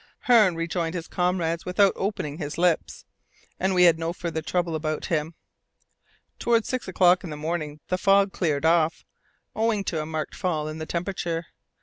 Hearne rejoined his comrades without opening his lips, and we had no further trouble about him. Towards six o'clock in the morning the fog cleared off, owing to a marked fall in the temperature.